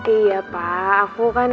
iya pa aku kan